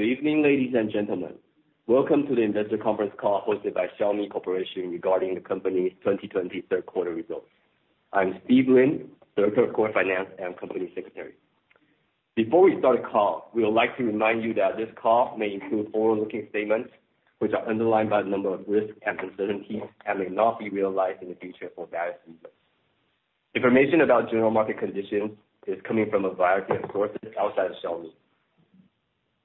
Good evening, ladies and gentlemen. Welcome to the investor conference call hosted by Xiaomi Corporation regarding the company's 2020 third quarter results. I'm Steve Lin, Director of Corporate Finance and Company Secretary. Before we start the call, we would like to remind you that this call may include forward-looking statements, which are underlined by a number of risks and uncertainties and may not be realized in the future for various reasons. Information about general market conditions is coming from a variety of sources outside of Xiaomi.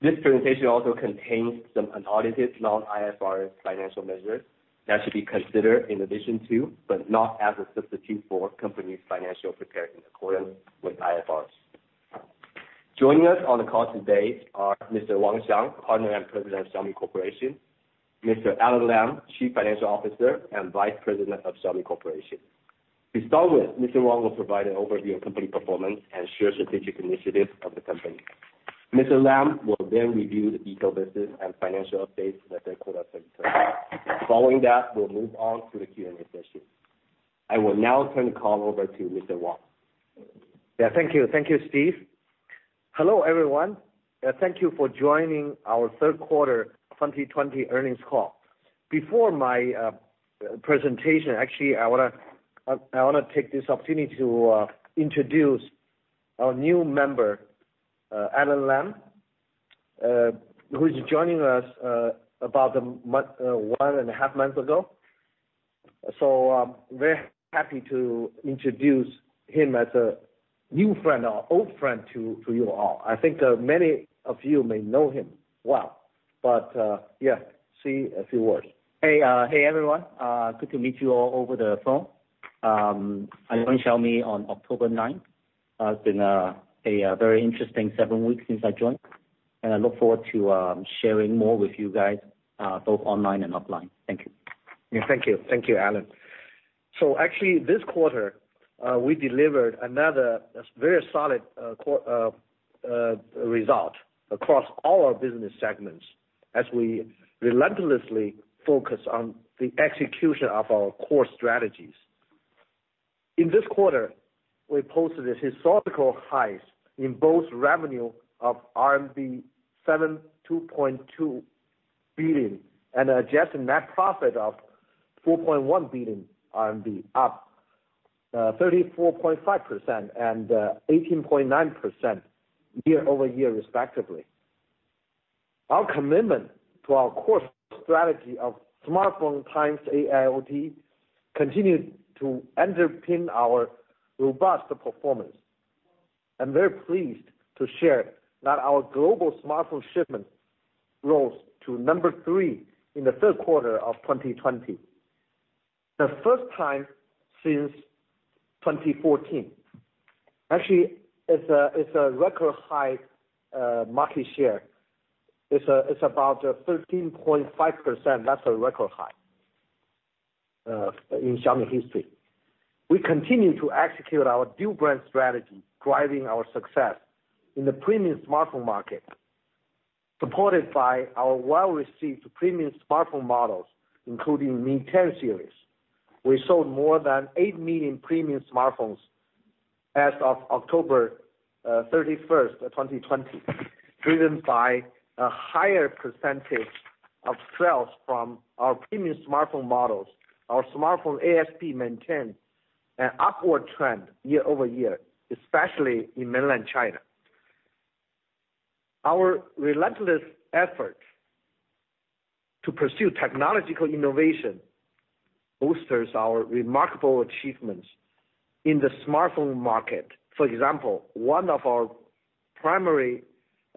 This presentation also contains some unaudited non-IFRS financial measures that should be considered in addition to, but not as a substitute for, company's financials prepared in accordance with IFRSs. Joining us on the call today are Mr. Wang Xiang, Partner and President of Xiaomi Corporation, Mr. Alain Lam, Chief Financial Officer and Vice President of Xiaomi Corporation. To start with, Mr. Wang will provide an overview of company performance and share strategic initiatives of the company. Mr. Lam will then review the eco business and financial updates for the third quarter of 2020. Following that, we'll move on to the Q&A session. I will now turn the call over to Mr. Wang. Yeah, thank you. Thank you, Steve. Hello, everyone. Thank you for joining our third quarter 2020 earnings call. Before my presentation, actually, I want to take this opportunity to introduce our new member, Alain Lam, who's joining us about one and a half months ago. I'm very happy to introduce him as a new friend or old friend to you all. I think many of you may know him well. Yeah, say a few words. Hey, everyone. Good to meet you all over the phone. I joined Xiaomi on October 9th. It's been a very interesting seven weeks since I joined, and I look forward to sharing more with you guys, both online and offline. Thank you. Thank you. Thank you, Alain. Actually this quarter, we delivered another very solid result across all our business segments as we relentlessly focus on the execution of our core strategies. In this quarter, we posted historical highs in both revenue of RMB 72.2 billion and adjusted net profit of 4.1 billion RMB, up 34.5% and 18.9% year-over-year respectively. Our commitment to our core strategy of Smartphone x AIoT continued to underpin our robust performance. I'm very pleased to share that our global smartphone shipments rose to number three in the third quarter of 2020. The first time since 2014. Actually, it's a record high market share. It's about 13.5%. That's a record high in Xiaomi history. We continue to execute our dual brand strategy, driving our success in the premium smartphone market. Supported by our well-received premium smartphone models, including Mi 10 series. We sold more than 8 million premium smartphones as of October 31st, 2020, driven by a higher percentage of sales from our premium smartphone models. Our smartphone ASP maintained an upward trend year-over-year, especially in mainland China. Our relentless effort to pursue technological innovation boosts our remarkable achievements in the smartphone market. For example, one of our primary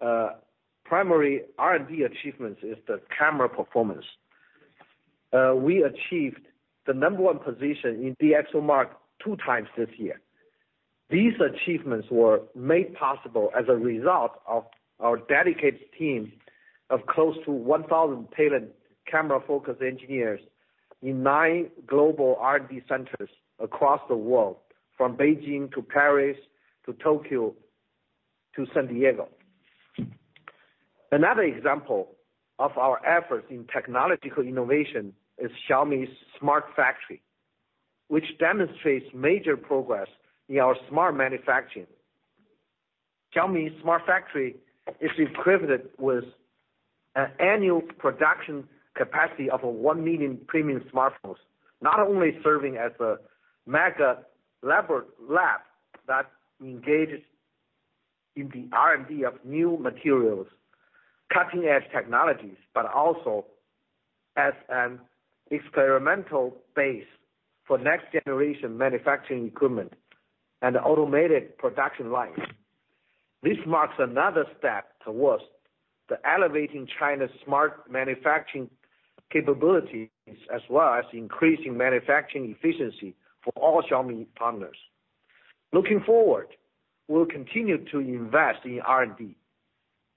R&D achievements is the camera performance. We achieved the number one position in DXOMARK two times this year. These achievements were made possible as a result of our dedicated team of close to 1,000 talent camera-focused engineers in nine global R&D centers across the world, from Beijing to Paris, to Tokyo, to San Diego. Another example of our efforts in technological innovation is Xiaomi Smart Factory, which demonstrates major progress in our smart manufacturing. Xiaomi Smart Factory is equipped with an annual production capacity of one million premium smartphones, not only serving as a mega lab that engages in the R&D of new materials, cutting-edge technologies, but also as an experimental base for next generation manufacturing equipment and automated production lines. This marks another step towards the elevating China's smart manufacturing capabilities, as well as increasing manufacturing efficiency for all Xiaomi partners. Looking forward, we'll continue to invest in R&D.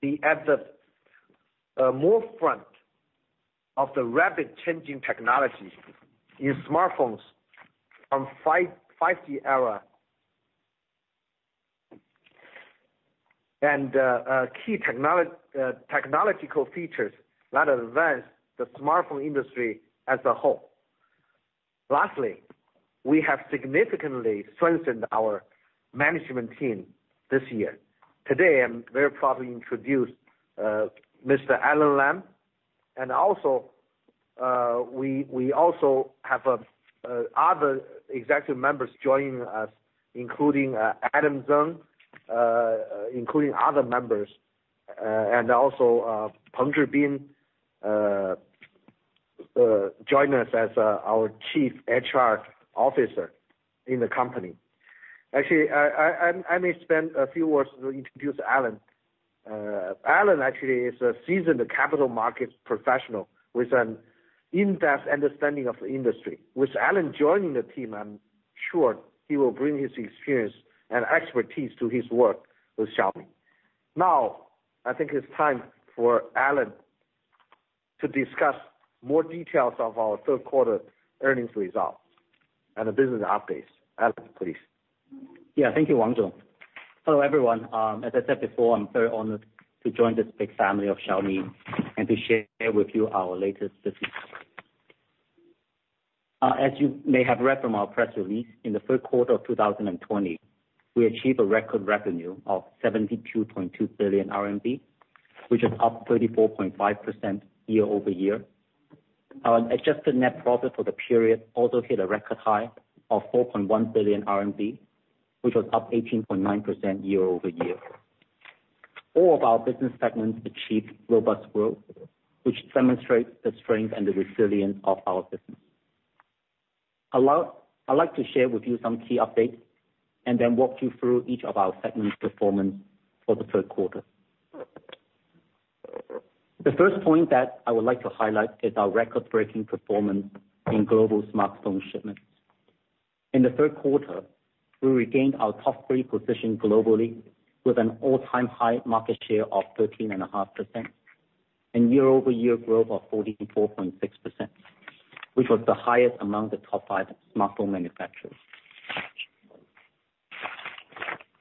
Be at the forefront of the rapid changing technology in smartphones from 5G era and key technological features that advance the smartphone industry as a whole. Lastly, we have significantly strengthened our management team this year. Today, I'm very proudly introduce Mr. Alain Lam, and also we have other executive members joining us, including Zeng Xuezhong, including other members, and also Peng Zhibin join us as our Chief HR Officer in the company. Actually, I may spend a few words to introduce Alain. Alain actually is a seasoned capital markets professional with an in-depth understanding of the industry. With Alain joining the team, I'm sure he will bring his experience and expertise to his work with Xiaomi. Now, I think it's time for Alain to discuss more details of our third quarter earnings results and the business updates. Alain, please. Thank you, Wang Xiang. Hello, everyone. As I said before, I'm very honored to join this big family of Xiaomi and to share with you our latest business updates. As you may have read from our press release, in the third quarter of 2020, we achieved a record revenue of 72.2 billion RMB, which is up 34.5% year-over-year. Our adjusted net profit for the period also hit a record high of 4.1 billion RMB, which was up 18.9% year-over-year. All of our business segments achieved robust growth, which demonstrates the strength and the resilience of our business. I'd like to share with you some key updates and then walk you through each of our segments' performance for the third quarter. The first point that I would like to highlight is our record-breaking performance in global smartphone shipments. In the third quarter, we regained our top three position globally with an all-time high market share of 13.5% and year-over-year growth of 44.6%, which was the highest among the top five smartphone manufacturers.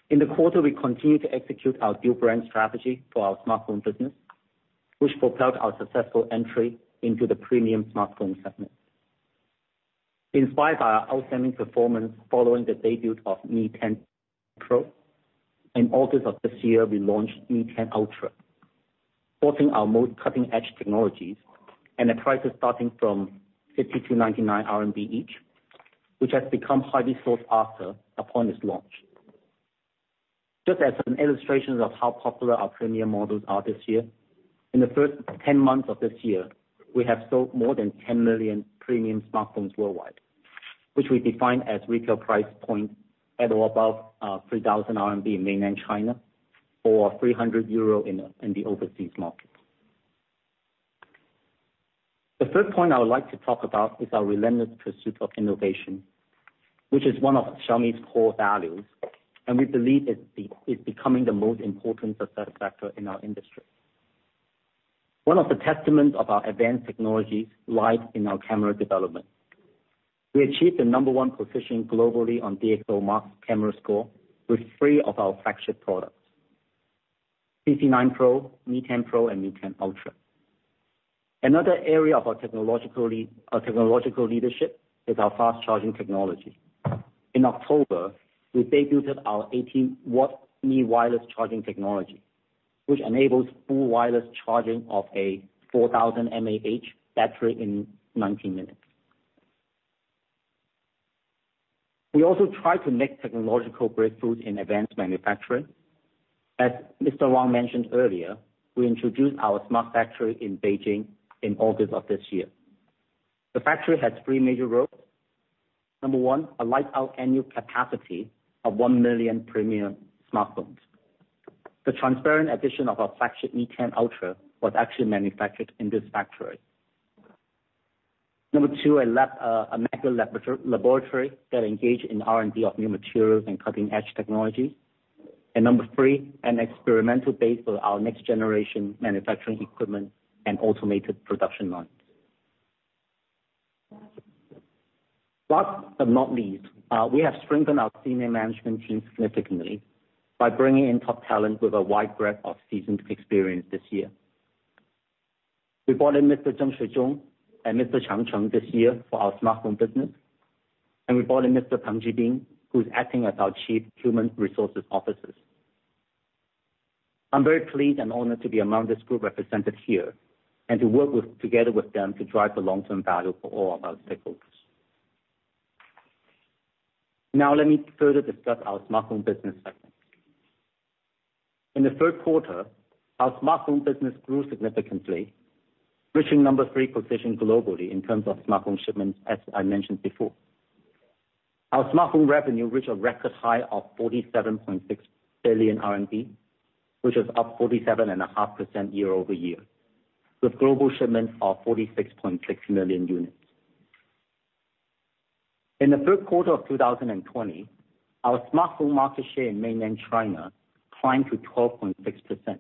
In the quarter, we continued to execute our dual brand strategy for our smartphone business, which propelled our successful entry into the premium smartphone segment. Inspired by our outstanding performance following the debut of Mi 10 Pro, in August of this year, we launched Mi 10 Ultra, boasting our most cutting-edge technologies and prices starting from 5,299 RMB each, which has become highly sought after upon its launch. Just as an illustration of how popular our premium models are this year, in the first 10 months of this year, we have sold more than 10 million premium smartphones worldwide, which we define as retail price points at or above 3,000 RMB in Mainland China or 300 euro in the overseas market. The third point I would like to talk about is our relentless pursuit of innovation, which is one of Xiaomi's core values, and we believe it's becoming the most important success factor in our industry. One of the testaments of our advanced technologies lies in our camera development. We achieved the number one position globally on DXOMARK camera score with three of our flagship products, CC9 Pro, Mi 10 Pro, and Mi 10 Ultra. Another area of our technological leadership is our fast-charging technology. In October, we debuted our 80-watt Mi wireless charging technology, which enables full wireless charging of a 4,000 mAh battery in 90 minutes. We also try to make technological breakthroughs in advanced manufacturing. As Mr. Wang mentioned earlier, we introduced our smart factory in Beijing in August of this year. The factory has three major roles. Number one, a lights-out annual capacity of one million premium smartphones. The Transparent Edition of our flagship Mi 10 Ultra was actually manufactured in this factory. Number two, a mega laboratory that engage in R&D of new materials and cutting-edge technologies. Number three, an experimental base for our next-generation manufacturing equipment and automated production lines. Last but not least, we have strengthened our senior management team significantly by bringing in top talent with a wide breadth of seasoned experience this year. We brought in Mr. Zeng Xuezhong and Mr. Chang Cheng this year for our smartphone business, and we brought in Mr. Peng Zhibin, who's acting as our Chief Human Resources Officer. I'm very pleased and honored to be among this group represented here and to work together with them to drive the long-term value for all of our stakeholders. Now let me further discuss our smartphone business segment. In the third quarter, our smartphone business grew significantly, reaching number three position globally in terms of smartphone shipments, as I mentioned before. Our smartphone revenue reached a record high of 47.6 billion RMB, which is up 47.5% year-over-year, with global shipments of 46.6 million units. In the third quarter of 2020, our smartphone market share in mainland China climbed to 12.6%,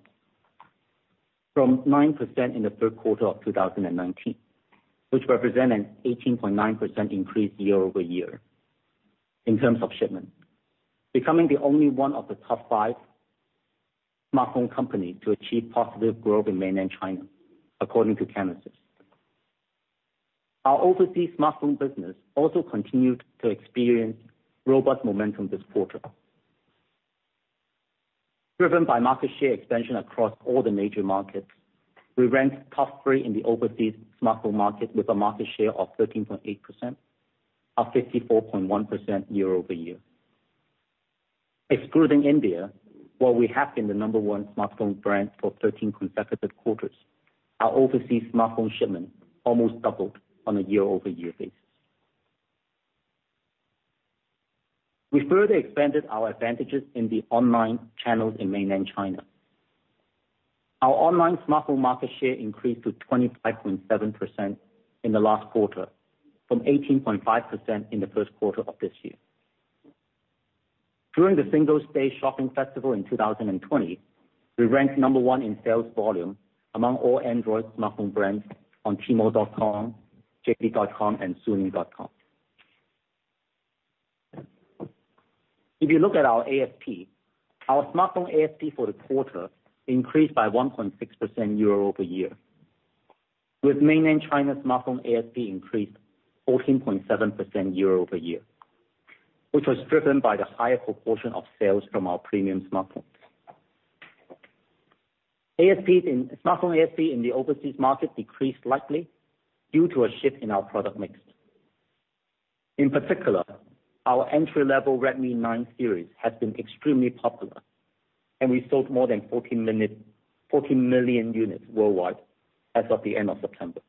from 9% in the third quarter of 2019, which represent an 18.9% increase year-over-year in terms of shipment, becoming the only one of the top five smartphone company to achieve positive growth in mainland China, according to Canalys. Our overseas smartphone business also continued to experience robust momentum this quarter. Driven by market share expansion across all the major markets, we ranked top three in the overseas smartphone market with a market share of 13.8%, up 54.1% year-over-year. Excluding India, where we have been the number one smartphone brand for 13 consecutive quarters, our overseas smartphone shipment almost doubled on a year-over-year basis. We further expanded our advantages in the online channels in mainland China. Our online smartphone market share increased to 25.7% in the last quarter, from 18.5% in the first quarter of this year. During the Singles' Day shopping festival in 2020, we ranked number one in sales volume among all Android smartphone brands on Tmall.com, JD.com, and Suning.com. If you look at our ASP, our smartphone ASP for the quarter increased by 1.6% year-over-year, with mainland China smartphone ASP increase 14.7% year-over-year, which was driven by the higher proportion of sales from our premium smartphones. Smartphone ASP in the overseas market decreased slightly due to a shift in our product mix. In particular, our entry-level Redmi 9 series has been extremely popular, and we sold more than 40 million units worldwide as of the end of September.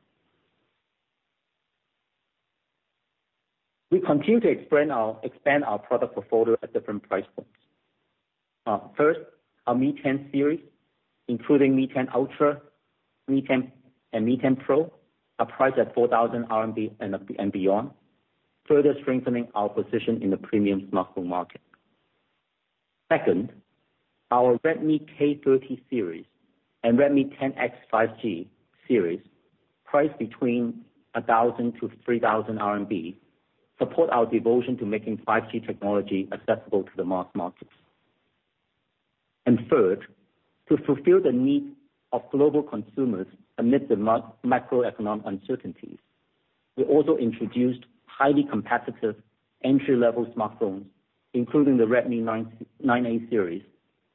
We continue to expand our product portfolio at different price points. First, our Mi 10 series, including Mi 10 Ultra and Mi 10 Pro, are priced at 4,000 RMB and beyond, further strengthening our position in the premium smartphone market. Second, our Redmi K30 series and Redmi 10X 5G series, priced between 1,000-3,000 RMB, support our devotion to making 5G technology accessible to the mass markets. Third, to fulfill the needs of global consumers amid the macroeconomic uncertainties, we also introduced highly competitive entry-level smartphones, including the Redmi 9A series,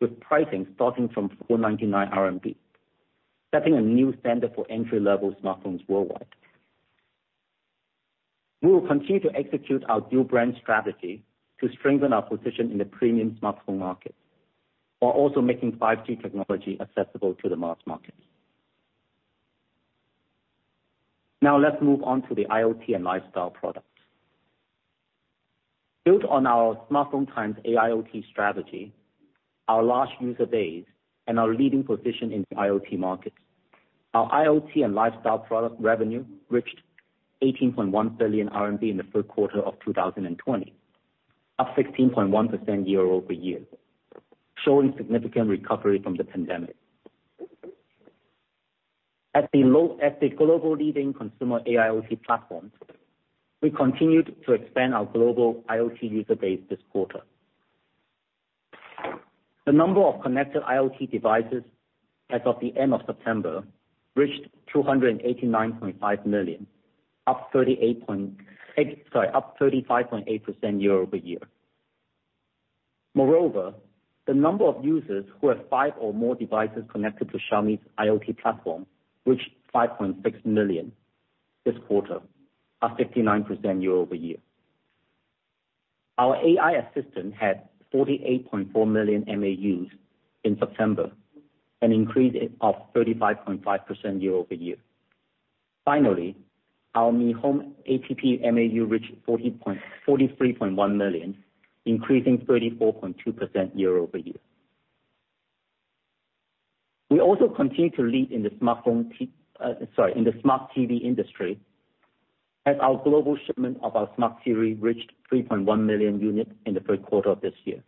with pricing starting from 499 RMB, setting a new standard for entry-level smartphones worldwide. We will continue to execute our dual-brand strategy to strengthen our position in the premium smartphone market, while also making 5G technology accessible to the mass market. Now let's move on to the IoT and lifestyle products. Built on our Smartphone x AIoT strategy, our large user base, and our leading position in IoT markets, our IoT and lifestyle product revenue reached 18.1 billion RMB in the third quarter of 2020, up 16.1% year-over-year, showing significant recovery from the pandemic. As the global leading consumer AIoT platforms, we continued to expand our global IoT user base this quarter. The number of connected IoT devices as of the end of September reached 289.5 million, up 35.8% year-over-year. Moreover, the number of users who have five or more devices connected to Xiaomi's IoT platform reached 5.6 million this quarter, up 59% year-over-year. Our AI assistant had 48.4 million MAUs in September, an increase of 35.5% year-over-year. Finally, our Mi Home app MAU reached 43.1 million, increasing 34.2% year-over-year. We also continue to lead in the smartphone, sorry, in the smart TV industry, as our global shipment of our smart TV reached 3.1 million units in the third quarter of this year.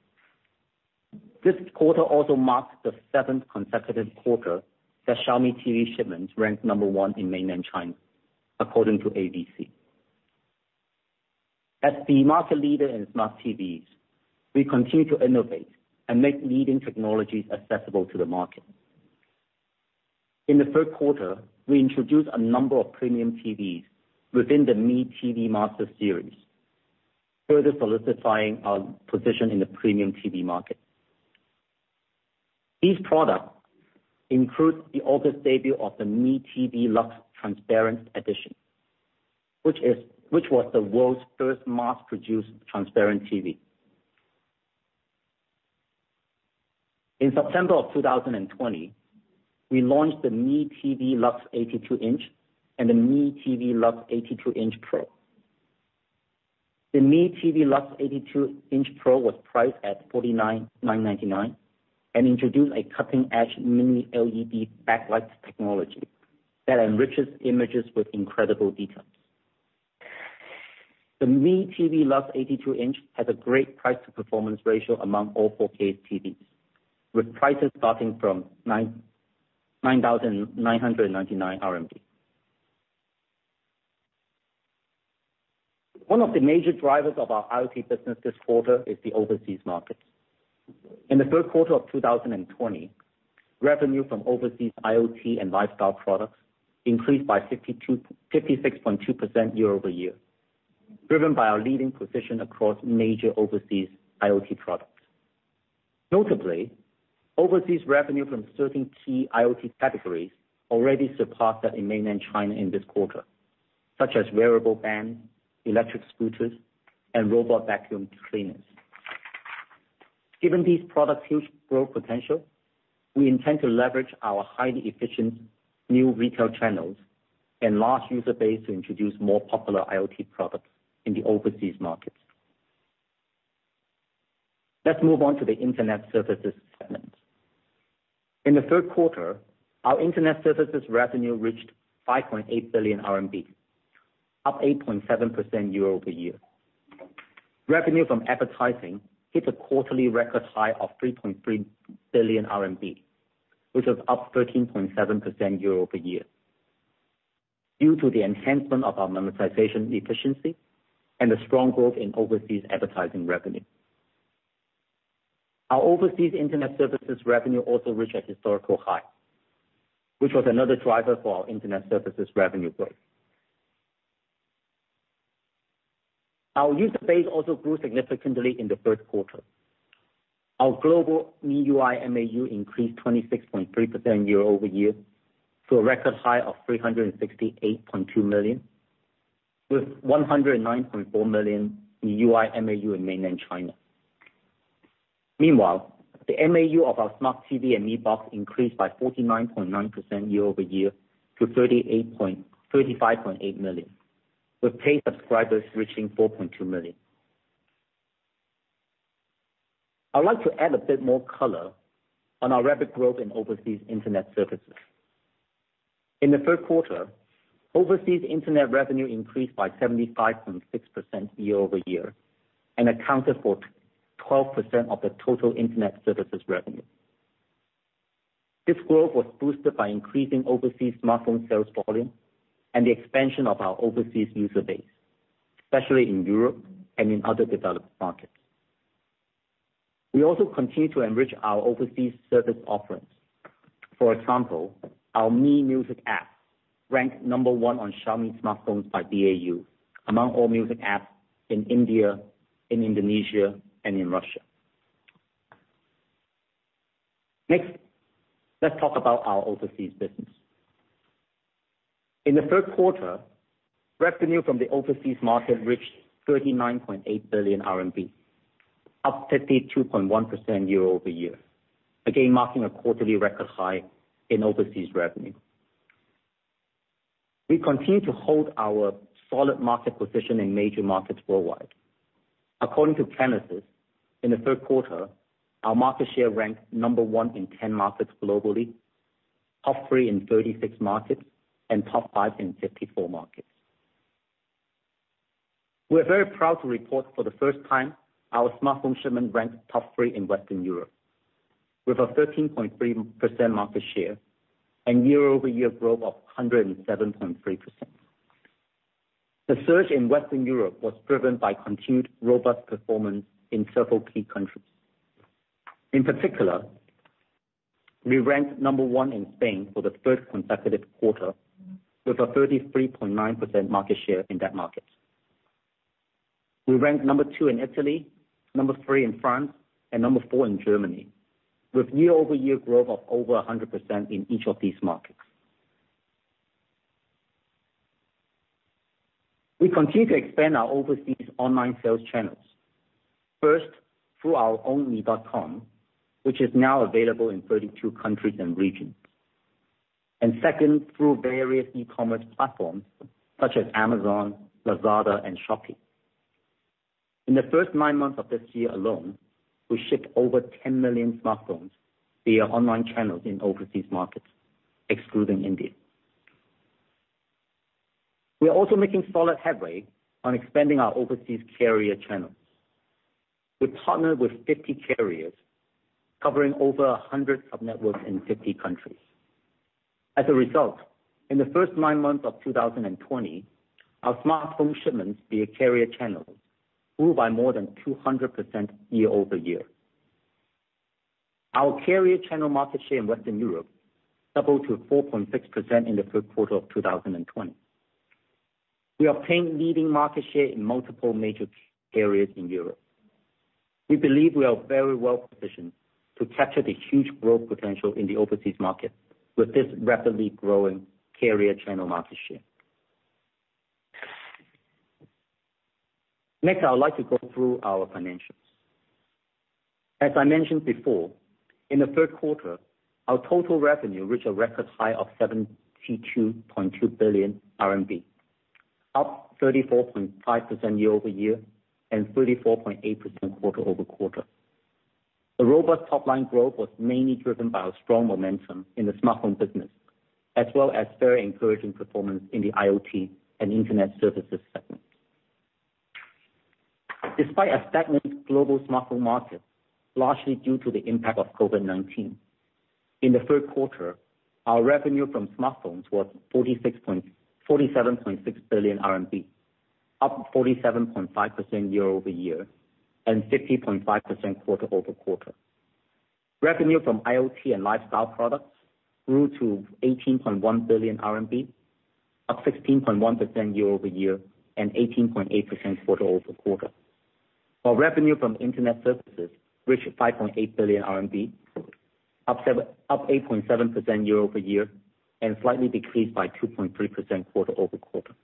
This quarter also marks the seventh consecutive quarter that Xiaomi TV shipments ranked number one in mainland China, according to AVC. As the market leader in smart TVs, we continue to innovate and make leading technologies accessible to the market. In the third quarter, we introduced a number of premium TVs within the Mi TV Master Series, further solidifying our position in the premium TV market. These products include the August debut of the Mi TV LUX Transparent Edition, which was the world's first mass-produced transparent TV. In September of 2020, we launched the Mi TV LUX 82-inch and the Mi TV LUX 82-inch Pro. The Mi TV LUX 82-inch Pro was priced at 49,999 and introduced a cutting-edge Mini LED backlight technology that enriches images with incredible details. The Mi TV LUX 82-inch has a great price to performance ratio among all 4K TVs, with prices starting from 9,999. One of the major drivers of our IoT business this quarter is the overseas market. In the third quarter of 2020, revenue from overseas IoT and lifestyle products increased by 56.2% year-over-year, driven by our leading position across major overseas IoT products. Notably, overseas revenue from certain key IoT categories already surpassed that in mainland China in this quarter, such as wearable bands, electric scooters and robot vacuum cleaners. Given these products' huge growth potential, we intend to leverage our highly efficient new retail channels and large user base to introduce more popular IoT products in the overseas markets. Let's move on to the internet services segment. In the third quarter, our internet services revenue reached 5.8 billion RMB, up 8.7% year-over-year. Revenue from advertising hit a quarterly record high of 3.3 billion RMB, which was up 13.7% year-over-year, due to the enhancement of our monetization efficiency and the strong growth in overseas advertising revenue. Our overseas internet services revenue also reached a historical high, which was another driver for our internet services revenue growth. Our user base also grew significantly in the third quarter. Our global MIUI MAU increased 26.3% year-over-year to a record high of 368.2 million, with 109.4 million MIUI MAU in mainland China. Meanwhile, the MAU of our Smart TV and Mi Box increased by 49.9% year-over-year to 35.8 million, with paid subscribers reaching 4.2 million. I'd like to add a bit more color on our rapid growth in overseas internet services. In the third quarter, overseas internet revenue increased by 75.6% year-over-year and accounted for 12% of the total internet services revenue. This growth was boosted by increasing overseas smartphone sales volume and the expansion of our overseas user base, especially in Europe and in other developed markets. We also continue to enrich our overseas service offerings. For example, our Mi Music app ranked number one on Xiaomi smartphones by DAU among all music apps in India, in Indonesia, and in Russia. Let's talk about our overseas business. In the third quarter, revenue from the overseas market reached 39.8 billion RMB, up 32.1% year-over-year. Again, marking a quarterly record high in overseas revenue. We continue to hold our solid market position in major markets worldwide. According to Canalys, in the third quarter, our market share ranked number one in 10 markets globally, top three in 36 markets, and top five in 54 markets. We're very proud to report for the first time our smartphone shipment ranked top three in Western Europe, with a 13.3% market share and year-over-year growth of 107.3%. The surge in Western Europe was driven by continued robust performance in several key countries. In particular, we ranked number one in Spain for the third consecutive quarter, with a 33.9% market share in that market. We ranked number two in Italy, number three in France, and number four in Germany, with year-over-year growth of over 100% in each of these markets. We continue to expand our overseas online sales channels. First, through our own mi.com, which is now available in 32 countries and regions. Second, through various e-commerce platforms such as Amazon, Lazada and Shopee. In the first nine months of this year alone, we shipped over 10 million smartphones via online channels in overseas markets, excluding India. We are also making solid headway on expanding our overseas carrier channels. We partnered with 50 carriers covering over 100 sub-networks in 50 countries. As a result, in the first nine months of 2020, our smartphone shipments via carrier channels grew by more than 200% year-over-year. Our carrier channel market share in Western Europe doubled to 4.6% in the third quarter of 2020. We obtained leading market share in multiple major carriers in Europe. We believe we are very well positioned to capture the huge growth potential in the overseas market with this rapidly growing carrier channel market share. Next, I would like to go through our financials. As I mentioned before, in the third quarter, our total revenue reached a record high of 72.2 billion RMB, up 34.5% year-over-year and 34.8% quarter-over-quarter. The robust top-line growth was mainly driven by our strong momentum in the smartphone business, as well as very encouraging performance in the IoT and internet services segment. Despite a stagnant global smartphone market, largely due to the impact of COVID-19, in the third quarter, our revenue from smartphones was 47.6 billion RMB, up 47.5% year-over-year and 50.5% quarter-over-quarter. Revenue from IoT and lifestyle products grew to 18.1 billion RMB, up 16.1% year-over-year and 18.8% quarter-over-quarter. While revenue from internet services reached 5.8 billion RMB, up 8.7% year-over-year and slightly decreased by 2.3% quarter-over-quarter.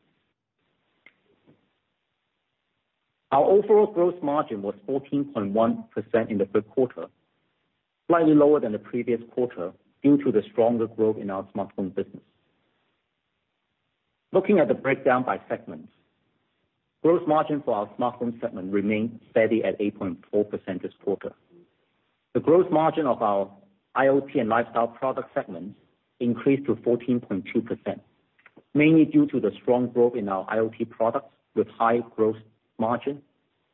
Our overall gross margin was 14.1% in the third quarter, slightly lower than the previous quarter due to the stronger growth in our smartphone business. Looking at the breakdown by segments, gross margin for our smartphone segment remained steady at 8.4% this quarter. The gross margin of our IoT and lifestyle product segments increased to 14.2%, mainly due to the strong growth in our IoT products with high gross margin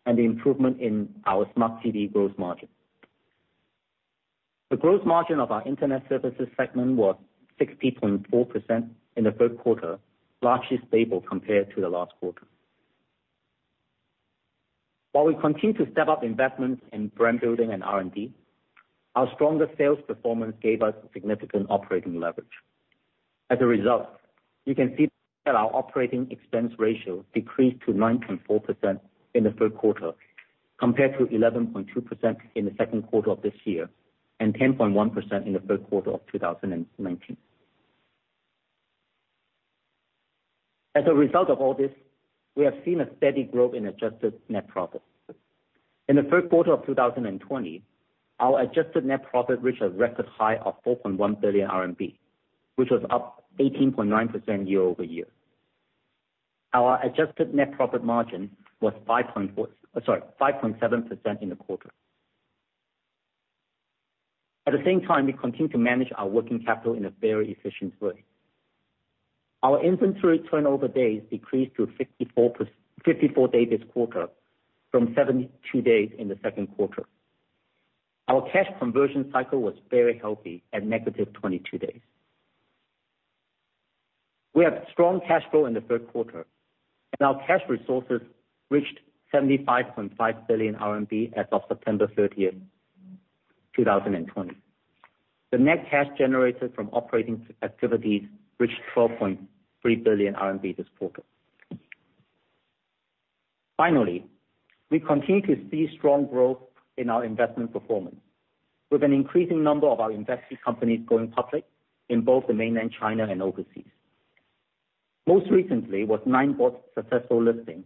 and the improvement in our Smart TV gross margin. The gross margin of our internet services segment was 60.4% in the third quarter, largely stable compared to the last quarter. While we continue to step up investments in brand building and R&D, our stronger sales performance gave us significant operating leverage. As a result, you can see that our operating expense ratio decreased to 9.4% in the third quarter compared to 11.2% in the second quarter of this year and 10.1% in the third quarter of 2019. As a result of all this, we have seen a steady growth in adjusted net profit. In the third quarter of 2020, our adjusted net profit reached a record high of 4.1 billion RMB, which was up 18.9% year-over-year. Our adjusted net profit margin was 5.7% in the quarter. At the same time, we continue to manage our working capital in a very efficient way. Our inventory turnover days decreased to 54 days this quarter from 72 days in the second quarter. Our cash conversion cycle was very healthy at negative 22 days. We had strong cash flow in the third quarter, and our cash resources reached 75.5 billion RMB as of September 30th, 2020. The net cash generated from operating activities reached 12.3 billion RMB this quarter. Finally, we continue to see strong growth in our investment performance with an increasing number of our invested companies going public in both mainland China and overseas. Most recently was Ninebot's successful listing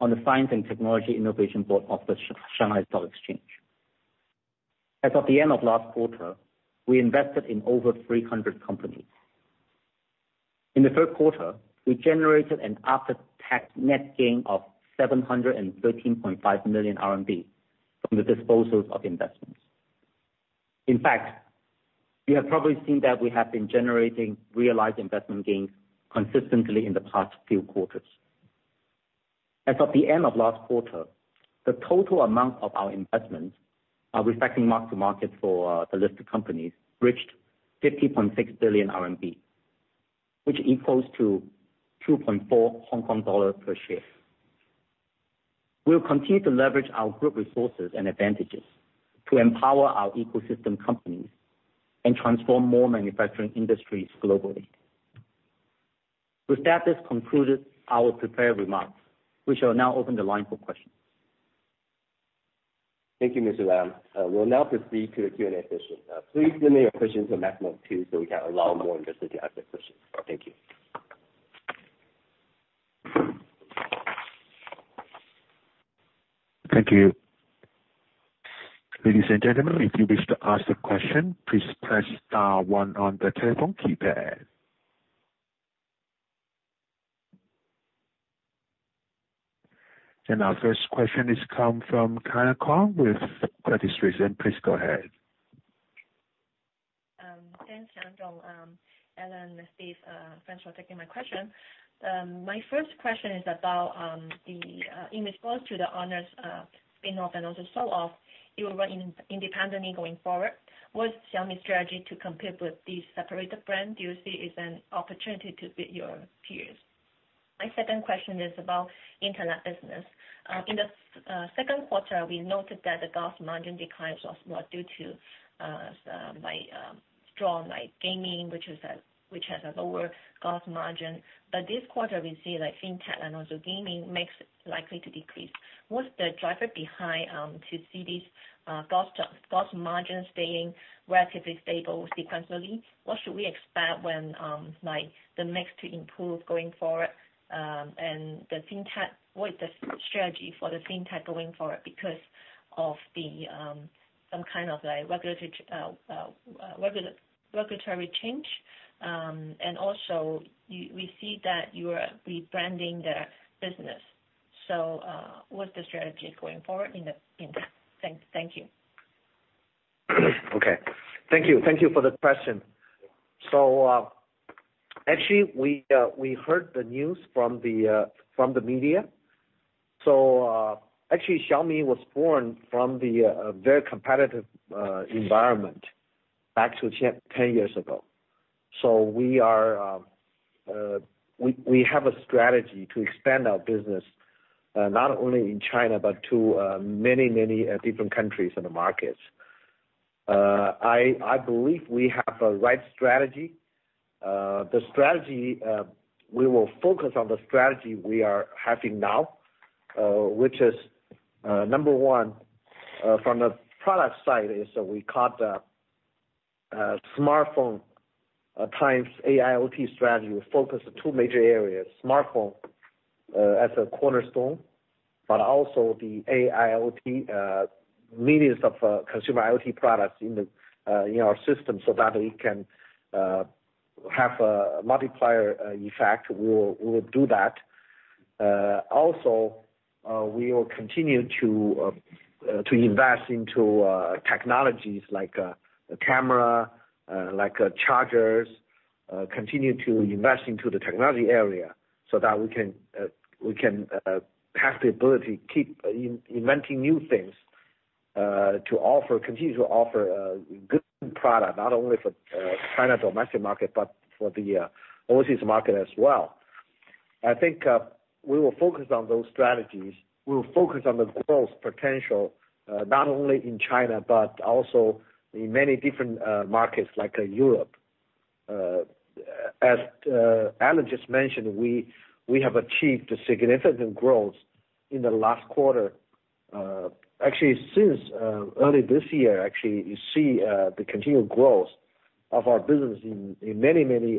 on the Science and Technology Innovation Board of the Shanghai Stock Exchange. As of the end of last quarter, we invested in over 300 companies. In the third quarter, we generated an after-tax net gain of 713.5 million RMB from the disposals of investments. In fact, you have probably seen that we have been generating realized investment gains consistently in the past few quarters. As of the end of last quarter, the total amount of our investments, reflecting mark to market for the listed companies, reached 50.6 billion RMB, which equals to 2.4 Hong Kong dollars per share. We'll continue to leverage our group resources and advantages to empower our ecosystem companies and transform more manufacturing industries globally. With that, this concludes our prepared remarks. We shall now open the line for questions. Thank you, Mr. Lam. We'll now proceed to the Q&A session. Please limit your questions to a maximum of two, so we can allow more investors to ask their questions. Thank you. Thank you. Ladies and gentlemen, if you wish to ask a question, please press star one on the telephone keypad. Our first question is come from Kyna Wong with Credit Suisse. Please go ahead. Thanks, Wang Xiang. Alain, Steve, thanks for taking my question. My first question is about in response to the Honor spin-off and also sell-off, you will run independently going forward. What's Xiaomi's strategy to compete with these separated brands? Do you see it as an opportunity to beat your peers? My second question is about internet business. In the second quarter, we noted that the gross margin declines was more due to strong gaming, which has a lower gross margin. This quarter, we see Fintech and also gaming makes it likely to decrease. What's the driver behind to see these gross margins staying relatively stable sequentially? What should we expect when the mix to improve going forward? What is the strategy for Fintech going forward because of some kind of regulatory change? We see that you are rebranding the business. What's the strategy going forward in that? Thank you. Okay. Thank you for the question. Actually, we heard the news from the media. Actually, Xiaomi was born from the very competitive environment back to 10 years ago. We have a strategy to expand our business, not only in China but to many different countries in the markets. I believe we have a right strategy. We will focus on the strategy we are having now, which is, number one, from the product side is, we got the Smartphone x AIoT strategy. We focus on two major areas, smartphone as a cornerstone, but also the AIoT, millions of consumer IoT products in our system so that we can have a multiplier effect. We will do that. We will continue to invest into technologies like camera, like chargers, continue to invest into the technology area so that we can have the ability to keep inventing new things to continue to offer good product, not only for China's domestic market, but for the overseas market as well. I think we will focus on those strategies. We will focus on the growth potential, not only in China, but also in many different markets like Europe. As Alain just mentioned, we have achieved a significant growth in the last quarter. Since early this year, actually, you see the continued growth of our business in many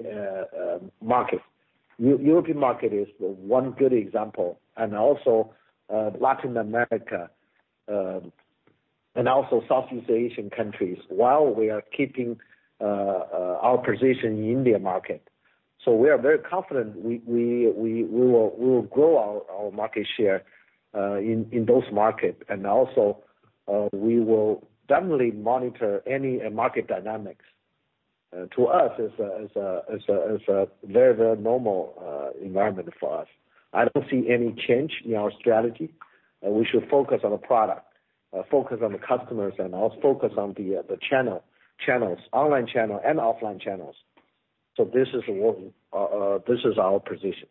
markets. European market is one good example, and also Latin America, and also Southeast Asian countries, while we are keeping our position in the India market. We are very confident we will grow our market share in those markets, and also, we will definitely monitor any market dynamics. To us, it's a very normal environment for us. I don't see any change in our strategy. We should focus on the product, focus on the customers, and also focus on the channels, online channel and offline channels. This is our position.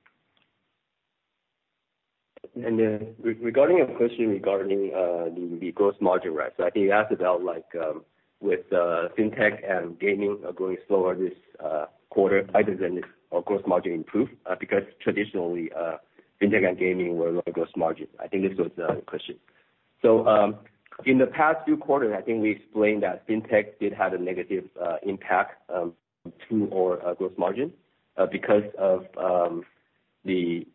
Regarding your question regarding the gross margin, right? I think you asked about, with Fintech and gaming are growing slower this quarter, why then did our gross margin improve? Because traditionally, Fintech and gaming were low gross margin. I think this was the question. In the past few quarters, I think we explained that Fintech did have a negative impact to our gross margin. Because of the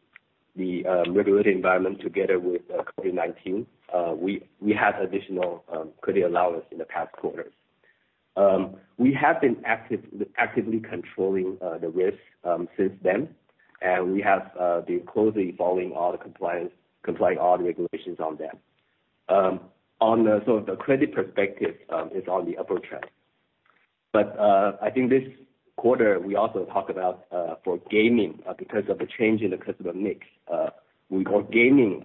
regulatory environment together with COVID-19, we had additional credit allowance in the past quarters. We have been actively controlling the risk since then, and we have been closely following all the compliance, comply all the regulations on them. The credit perspective is on the upper trend. I think this quarter, we also talk about for gaming, because of the change in the customer mix. We call gaming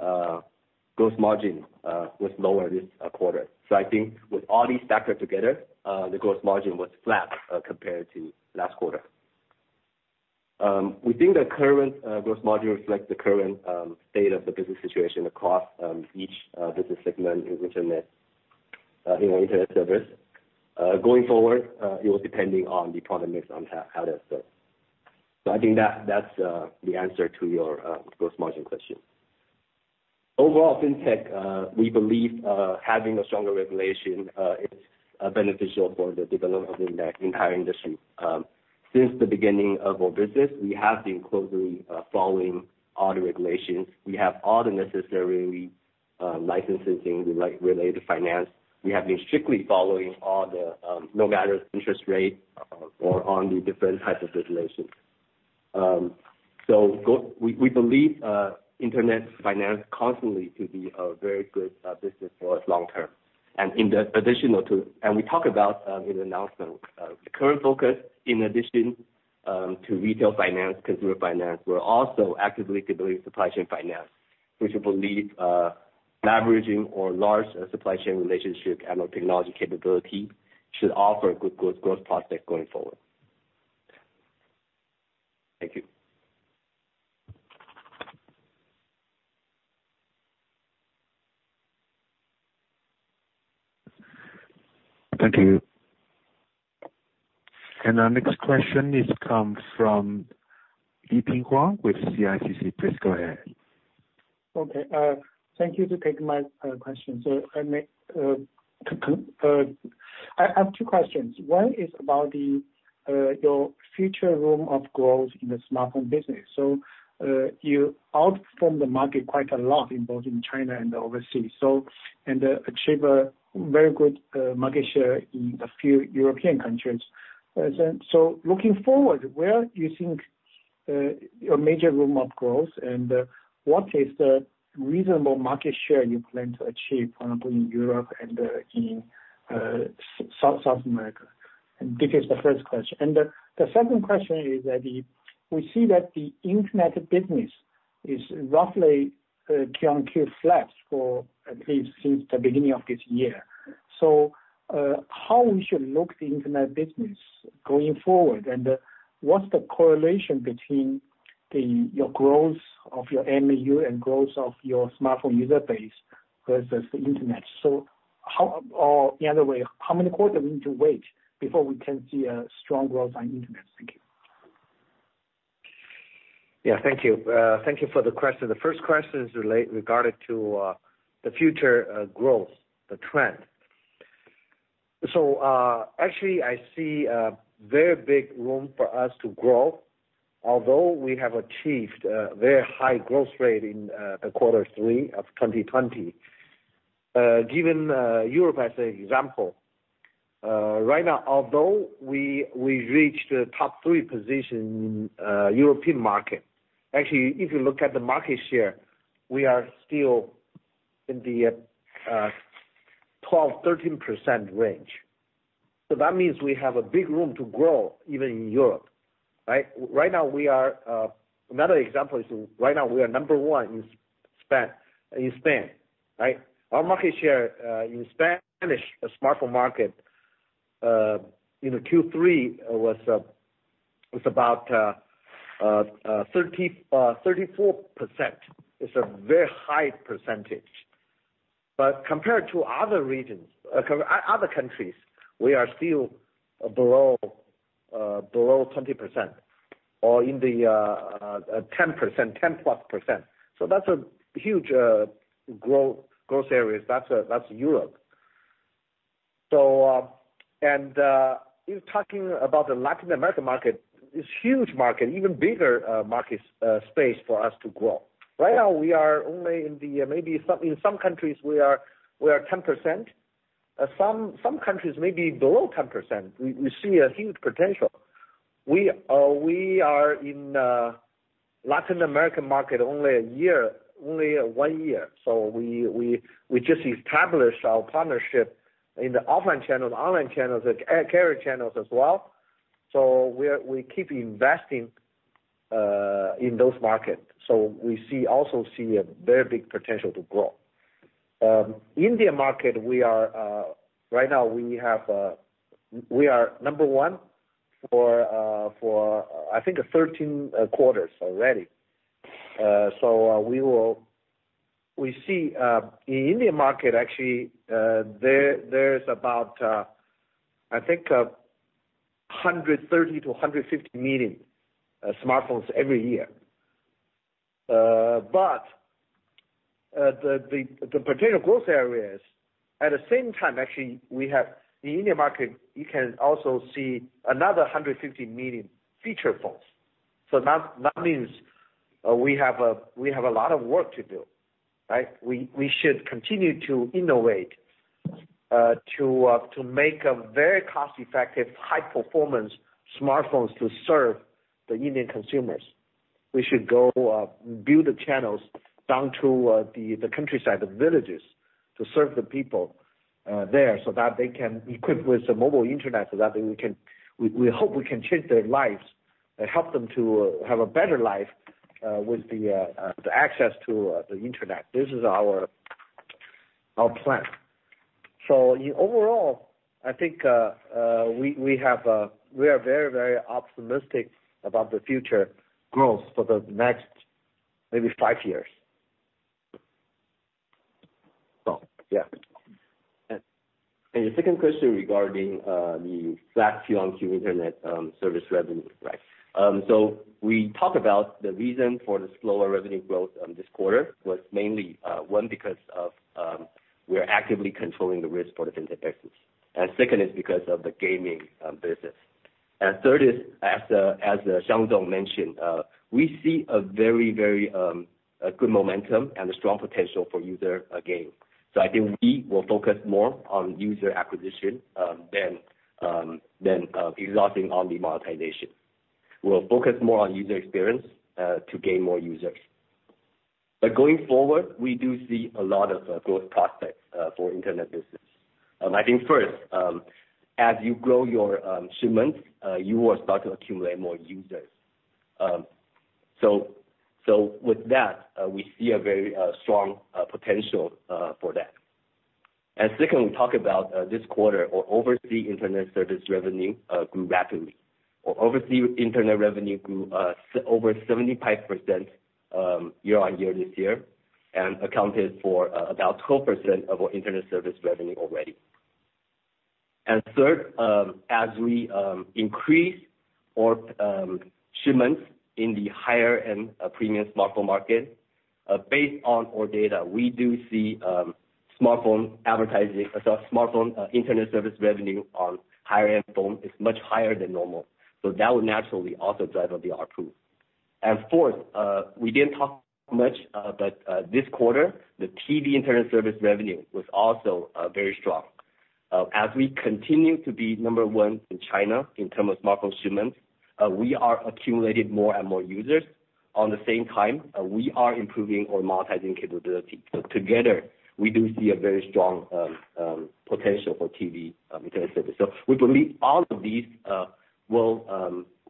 gross margin was lower this quarter. I think with all these factors together, the gross margin was flat compared to last quarter. We think the current gross margin reflects the current state of the business situation across each business segment in Internet service. Going forward, it will depending on the product mix on how that's done. I think that's the answer to your gross margin question. Overall, Fintech, we believe having a stronger regulation is beneficial for the development of the entire industry. Since the beginning of our business, we have been closely following all the regulations. We have all the necessary licensing things related to finance. We have been strictly following all the no matter interest rate or on the different types of regulations. We believe Internet finance constantly to be a very good business for us long term. We talk about in the announcement, the current focus in addition to retail finance, consumer finance, we're also actively developing supply chain finance, which we believe leveraging our large supply chain relationship and our technology capability should offer a good growth prospect going forward. Thank you. Thank you. Our next question is come from Huang Leping with CICC. Please go ahead. I have two questions. One is about your future room of growth in the smartphone business. You outperformed the market quite a lot in both China and overseas, and achieve a very good market share in a few European countries. Looking forward, where do you think your major room of growth, and what is the reasonable market share you plan to achieve, for example, in Europe and South America? This is the first question. The second question is that we see that the internet business is roughly Q on Q flat for at least since the beginning of this year. How we should look the internet business going forward, and what's the correlation between your growth of your MAU and growth of your smartphone user base versus the internet? The other way, how many quarters we need to wait before we can see a strong growth on internet? Thank you. Yeah, thank you. Thank you for the question. The first question is regarding to the future growth, the trend. Actually, I see a very big room for us to grow, although we have achieved a very high growth rate in quarter three of 2020. Given Europe as an example, right now, although we reached the top three position in European market, actually, if you look at the market share, we are still in the 12%-13% range. That means we have a big room to grow, even in Europe, right? Another example is right now we are number one in Spain, right? Our market share in Spanish smartphone market in Q3 was about 34%. It's a very high percentage. Compared to other countries, we are still below 20% or in the 10%+. That's a huge growth areas. That's Europe. If talking about the Latin American market, it's huge market, even bigger market space for us to grow. Right now, we are only in some countries we are 10%. Some countries may be below 10%. We see a huge potential. We are in Latin American market only one year. We just established our partnership in the offline channels, online channels, and carrier channels as well. We keep investing in those markets. We also see a very big potential to grow. India market, right now we are number one for, I think 13 quarters already. In India market, actually, there's about, I think 130 million-150 million smartphones every year. The potential growth areas, at the same time actually, we have the India market, you can also see another 150 million feature phones. That means we have a lot of work to do, right? We should continue to innovate to make a very cost-effective, high-performance smartphones to serve the Indian consumers. We should go build the channels down to the countryside, the villages, to serve the people there, so that they can equip with the mobile internet, so that we hope we can change their lives and help them to have a better life with the access to the internet. This is our plan. Overall, I think we are very optimistic about the future growth for the next, maybe five years. Yeah. Your second question regarding the flat Q on Q internet service revenue, right? We talked about the reason for the slower revenue growth this quarter was mainly one, because of we're actively controlling the risk for the internet business. Second is because of the gaming business. Third is, as Wang Xiang mentioned, we see a very good momentum and a strong potential for user gain. I think we will focus more on user acquisition than exhausting on the monetization. We will focus more on user experience to gain more users. Going forward, we do see a lot of growth prospects for internet business. I think first, as you grow your shipments, you will start to accumulate more users. With that, we see a very strong potential for that. Second, we talk about this quarter, our overseas internet service revenue grew rapidly. Our overseas internet revenue grew over 75% year-on-year this year and accounted for about 12% of our internet service revenue already. Third, as we increase our shipments in the higher-end premium smartphone market based on our data, we do see smartphone internet service revenue on higher-end phone is much higher than normal. That would naturally also drive up the ARPU. Fourth, we didn't talk much, but this quarter, the TV internet service revenue was also very strong. As we continue to be number one in China in terms of smartphone shipments, we are accumulating more and users. On the same time, we are improving our monetization capability. Together, we do see a very strong potential for TV internet service. We believe all of these will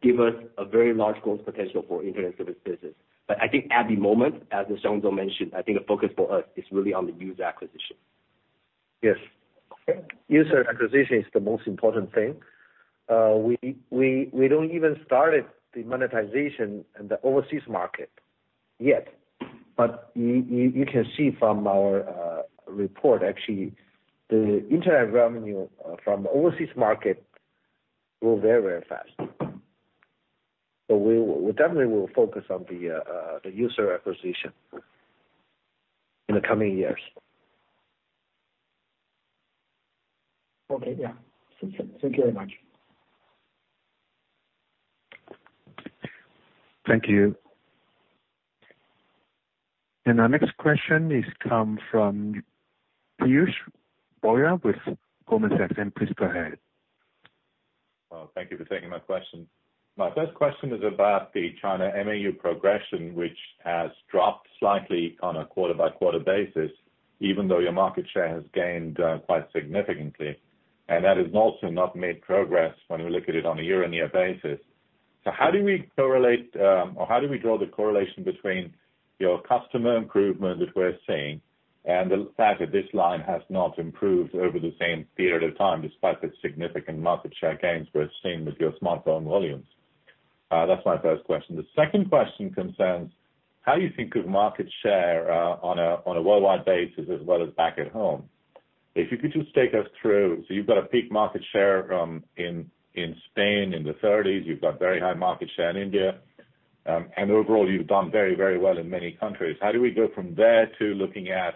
give us a very large growth potential for internet service business. I think at the moment, as Wang Xiang mentioned, I think the focus for us is really on the user acquisition. Yes. User acquisition is the most important thing. We don't even started the monetization in the overseas market yet. You can see from our report, actually, the internet revenue from overseas market grow very fast. We definitely will focus on the user acquisition in the coming years. Okay. Yeah. Thank you very much. Thank you. Our next question is come from Piyush Mubayi with Goldman Sachs. Please go ahead. Thank you for taking my question. My first question is about the China MAU progression, which has dropped slightly on a quarter-over-quarter basis, even though your market share has gained quite significantly. That has also not made progress when we look at it on a year-over-year basis. How do we correlate, or how do we draw the correlation between your customer improvement that we're seeing and the fact that this line has not improved over the same period of time, despite the significant market share gains we're seeing with your smartphone volumes? That's my first question. The second question concerns how you think of market share on a worldwide basis as well as back at home. If you could just take us through. You've got a peak market share in Spain in the 30s, you've got very high market share in India. Overall, you've done very well in many countries. How do we go from there to looking at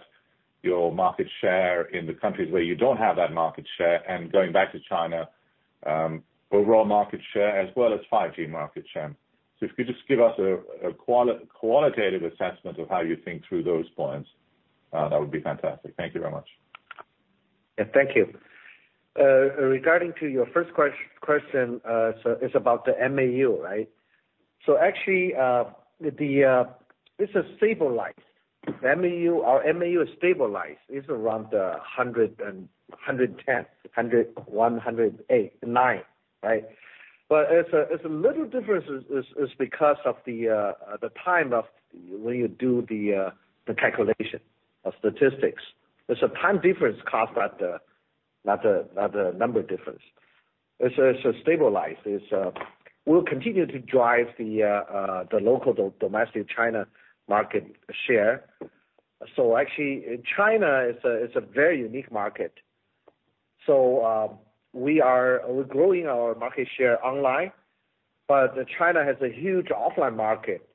your market share in the countries where you don't have that market share, and going back to China, overall market share as well as 5G market share? If you could just give us a qualitative assessment of how you think through those points, that would be fantastic. Thank you very much. Yeah. Thank you. Regarding your first question, it's about the MAU, right? Actually, this has stabilized. Our MAU is stabilized. It's around the 100 million users and 110 million users, 100 million users, 109 million users, right? It's a little difference is because of the time of when you do the calculation of statistics. There's a time difference caused by the number difference. It's stabilized. We'll continue to drive the local domestic China market share. Actually, in China, it's a very unique market. We're growing our market share online, but China has a huge offline market.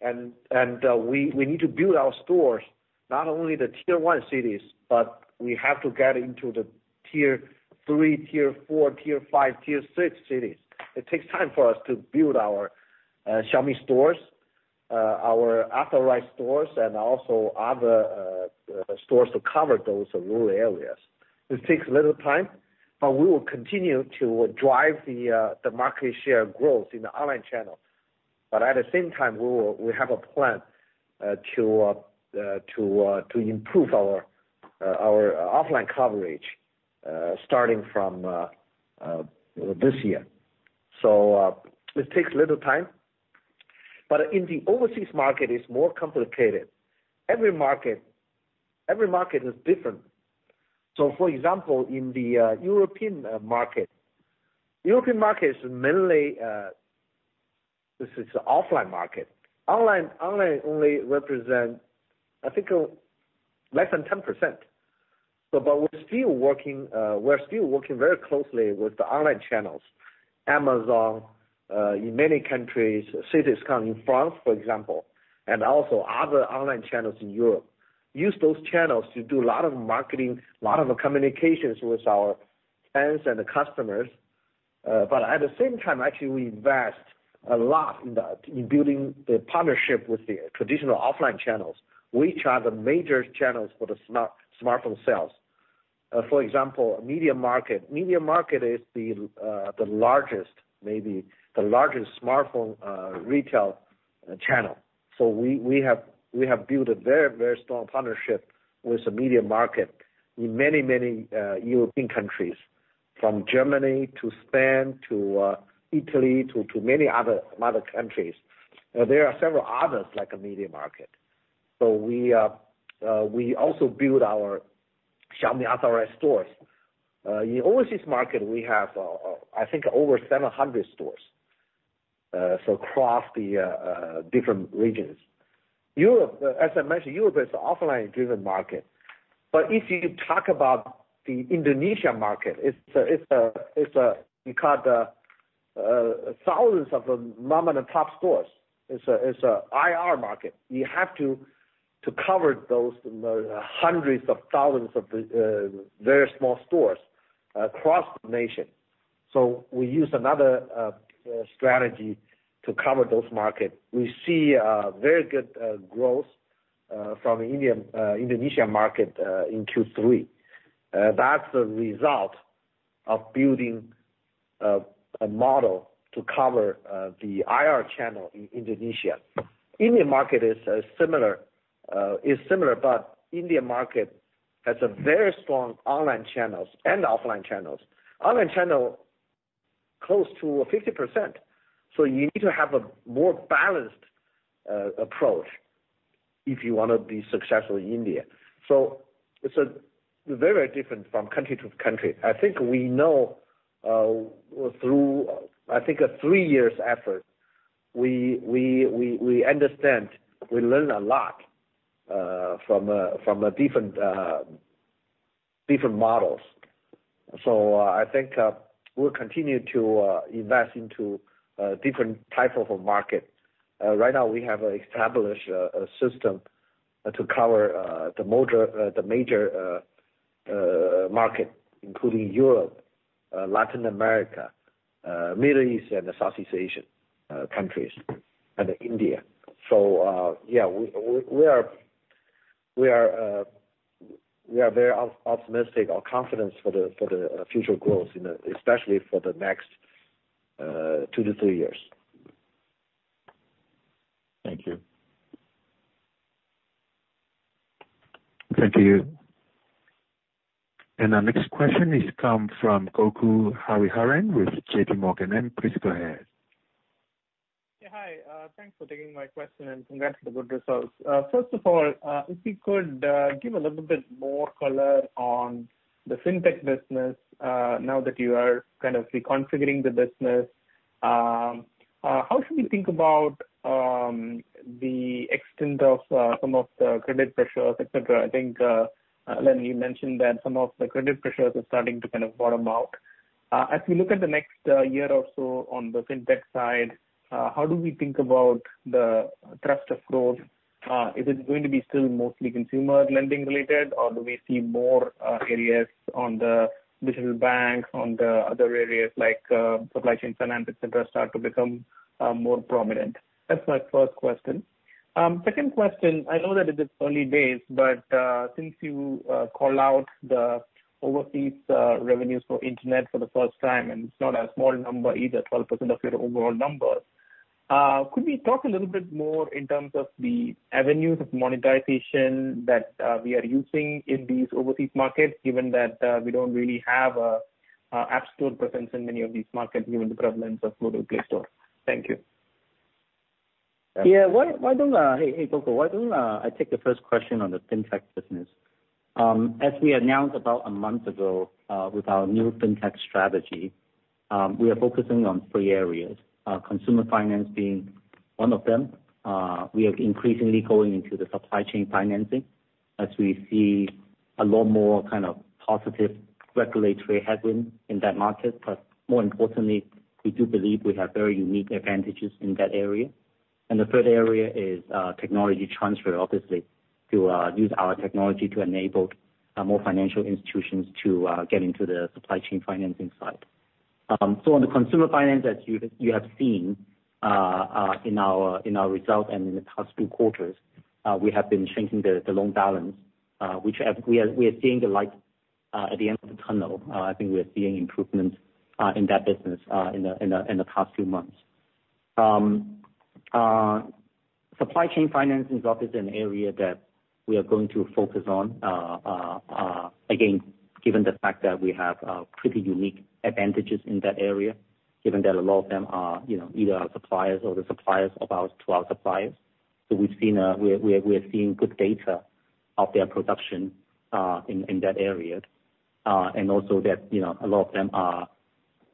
We need to build our stores, not only the tier 1 cities, but we have to get into the tier 3, tier 4, tier 5, tier 6 cities. It takes time for us to build our Xiaomi stores, our authorized stores, and also other stores to cover those rural areas. It takes a little time, we will continue to drive the market share growth in the online channel. At the same time, we have a plan to improve our offline coverage, starting from this year. It takes a little time. In the overseas market, it's more complicated. Every market is different. For example, in the European market, European market is mainly, this is offline market. Online only represent, I think, less than 10%. We're still working very closely with the online channels, Amazon, in many countries, Cdiscount in France, for example, and also other online channels in Europe. Use those channels to do a lot of marketing, a lot of communications with our fans and the customers. At the same time, actually, we invest a lot in building the partnership with the traditional offline channels, which are the major channels for the smartphone sales. For example, MediaMarkt. MediaMarkt is the largest smartphone retail channel. We have built a very strong partnership with the MediaMarkt in many European countries, from Germany to Spain to Italy to many other countries. There are several others like MediaMarkt. We also build our Xiaomi authorized stores. In overseas market, we have, I think over 700 stores, so across the different regions. Europe, as I mentioned, Europe is an offline-driven market. If you talk about the Indonesia market, it's thousands of mom-and-pop stores. It's IR market. You have to cover those hundreds of thousands of very small stores across the nation. We use another strategy to cover those markets. We see very good growth from the Indonesia market in Q3. That's the result of building a model to cover the IR channel in Indonesia. India market is similar, India market has a very strong online channels and offline channels. Online channel, close to 50%. You need to have a more balanced approach if you want to be successful in India. It's very different from country to country. I think we know through, I think, a three years effort, we understand, we learn a lot from the different models. I think we'll continue to invest into different type of market. Right now we have established a system to cover the major market, including Europe, Latin America, Middle East, and Southeast Asian countries, and India. Yeah, we are very optimistic or confident for the future growth, especially for the next two to three years. Thank you. Thank you. Our next question is come from Gokul Hariharan with JPMorgan. Please go ahead. Yeah, hi. Thanks for taking my question. Congrats on the good results. First of all, if you could give a little bit more color on the Fintech business now that you are kind of reconfiguring the business. How should we think about the extent of some of the credit pressures, et cetera? I think, Lam, you mentioned that some of the credit pressures are starting to kind of bottom out. As we look at the next year or so on the Fintech side, how do we think about the thrust of growth? Is it going to be still mostly consumer lending related, or do we see more areas on the digital bank, on the other areas like supply chain finance, et cetera, start to become more prominent? That's my first question. Second question. I know that it is early days, but since you called out the overseas revenues for internet for the first time, and it is not a small number either, 12% of your overall numbers. Could we talk a little bit more in terms of the avenues of monetization that we are using in these overseas markets, given that we do not really have App Store presence in many of these markets, given the prevalence of Google Play Store? Thank you. Yeah. Hey, Gokul. Why don't I take the first question on the Fintech business? We announced about a month ago with our new Fintech strategy, we are focusing on three areas, consumer finance being one of them. We are increasingly going into the supply chain financing as we see a lot more kind of positive regulatory headwind in that market. More importantly, we do believe we have very unique advantages in that area. The third area is technology transfer, obviously, to use our technology to enable more financial institutions to get into the supply chain financing side. On the consumer finance, as you have seen in our results and in the past two quarters, we have been shrinking the loan balance. We are seeing the light at the end of the tunnel. I think we are seeing improvements in that business in the past few months. Supply chain financing is obviously an area that we are going to focus on. Again, given the fact that we have pretty unique advantages in that area, given that a lot of them are either our suppliers or the suppliers to our suppliers. We are seeing good data of their production in that area, and also that a lot of them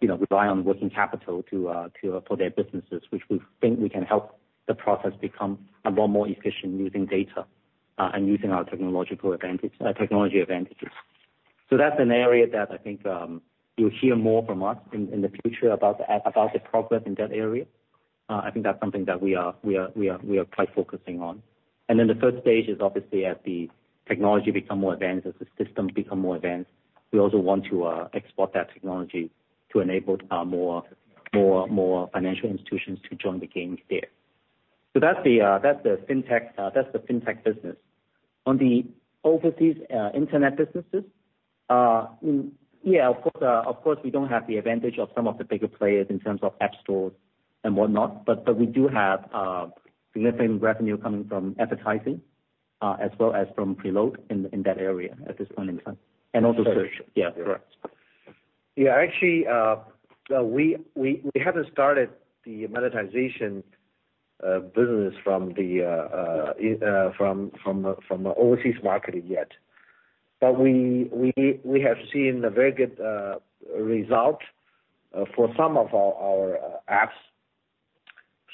rely on working capital for their businesses, which we think we can help the process become a lot more efficient using data and using our technology advantages. That's an area that I think you'll hear more from us in the future about the progress in that area. I think that's something that we are quite focusing on. The first stage is obviously as the technology becomes more advanced, as the systems become more advanced, we also want to export that technology to enable more financial institutions to join the game there. That's the Fintech business. On the overseas internet businesses. Of course, we don't have the advantage of some of the bigger players in terms of App Stores and whatnot, but we do have significant revenue coming from advertising as well as from preload in that area at this point in time. Search. Correct. Actually, we haven't started the monetization business from overseas marketing yet. We have seen a very good result for some of our apps.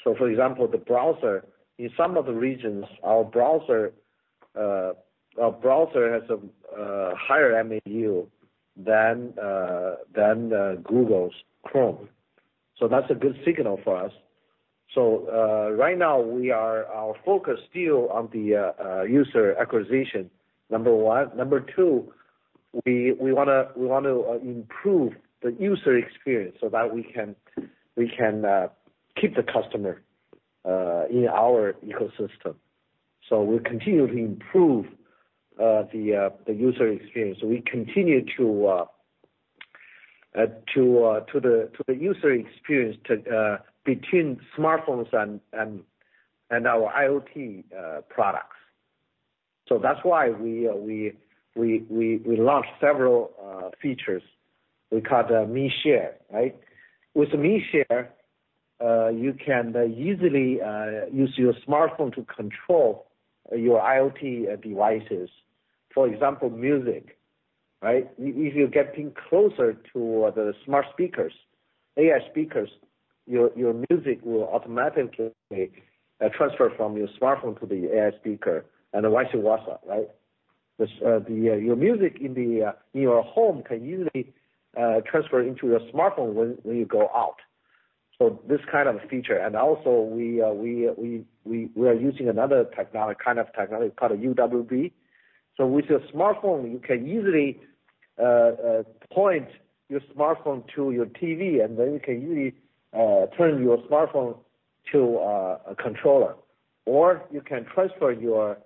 For example, the browser. In some of the regions, our browser has a higher MAU than Google's Chrome. That's a good signal for us. Right now our focus is still on the user acquisition, number one. Number two, we want to improve the user experience so that we can keep the customer in our ecosystem. We continue to improve the user experience. We continue to the user experience between smartphones and our IoT products. That's why we launched several features. We call it Mi Share, right? With Mi Share, you can easily use your smartphone to control your IoT devices. For example, music, right? If you're getting closer to the smart speakers, AI speakers, your music will automatically transfer from your smartphone to the AI speaker and vice versa, right? Your music in your home can easily transfer into your smartphone when you go out. This kind of feature. We are using another kind of technology called UWB. With your smartphone, you can easily point your smartphone to your TV, you can easily turn your smartphone to a controller, or you can transfer your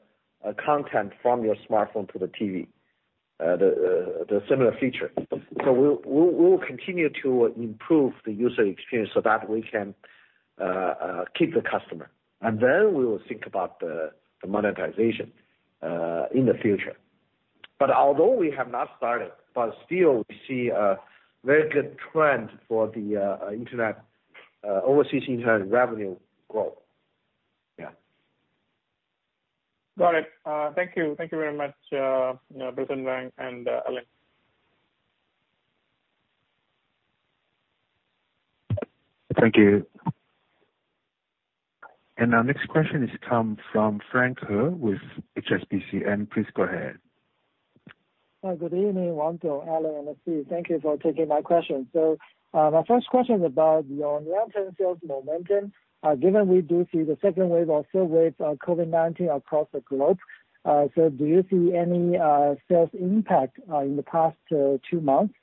content from your smartphone to the TV. The similar feature. We will continue to improve the user experience so that we can keep the customer, we will think about the monetization in the future. Although we have not started, we see a very good trend for the overseas internet revenue growth. Yeah. Got it. Thank you. Thank you very much, President Wang and Alain. Thank you. Our next question comes from Frank He with HSBC. Please go ahead. Hi. Good evening, Wang Xiang, Alain, and Steve. Thank you for taking my question. My first question is about your year-end sales momentum, given we do see the second wave or third wave of COVID-19 across the globe. Do you see any sales impact in the past two months,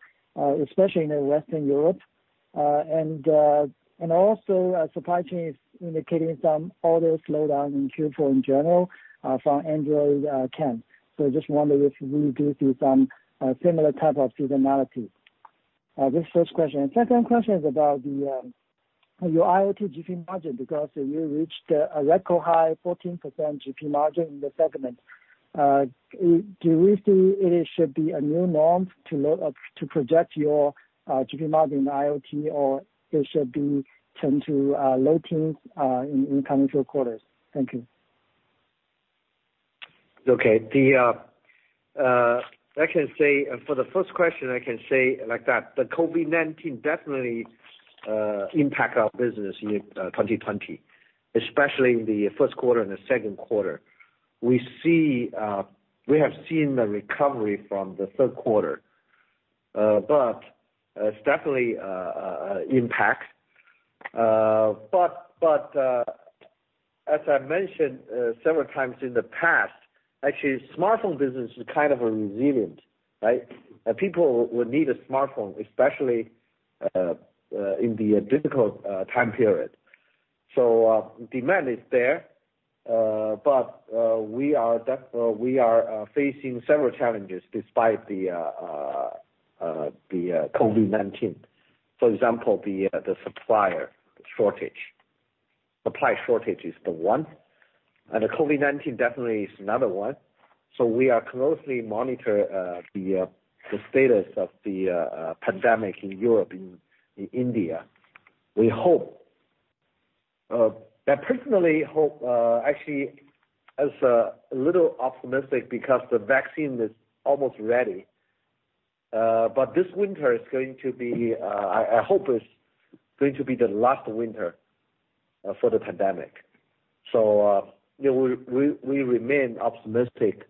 especially in Western Europe? Supply chain is indicating some order slowdown in Q4 in general from Android OEMs. I just wonder if we do see some similar type of seasonality. This is the first question. The second question is about your IoT gross margin, because you reached a record high 14% gross margin in the segment. Do you see it should be a new norm to project your gross margin in IoT, or it should be turned to low teens in coming quarters? Thank you. Okay. For the first question, I can say like that. The COVID-19 definitely impact our business in 2020, especially in the first quarter and the second quarter. We have seen the recovery from the third quarter. It's definitely an impact. As I mentioned several times in the past, actually, smartphone business is kind of resilient, right? People will need a smartphone, especially in the difficult time period. Demand is there. We are facing several challenges despite the COVID-19. For example, the supplier shortage. Supply shortage is one, and COVID-19 definitely is another one. We are closely monitoring the status of the pandemic in Europe and in India. I personally hope, actually, as a little optimistic because the vaccine is almost ready. This winter, I hope it's going to be the last winter for the pandemic. We remain optimistic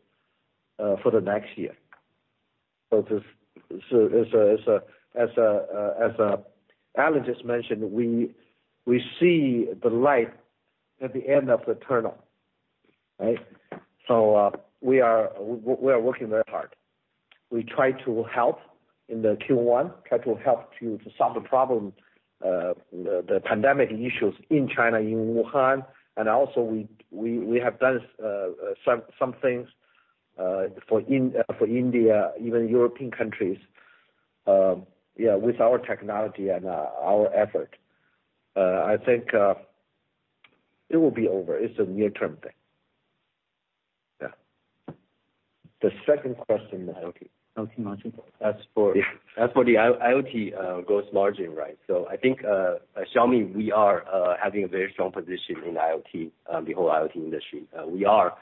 for the next year. As Alain just mentioned, we see the light at the end of the tunnel, right? We are working very hard. We try to help in the Q1, try to help to solve the problem, the pandemic issues in China, in Wuhan. Also we have done some things for India, even European countries. Yeah, with our technology and our effort. I think it will be over. It's a near-term thing. Yeah. The second question, IoT. IoT margin. As for the- Yeah IoT gross margin, right. I think Xiaomi, we are having a very strong position in the whole IoT industry. We are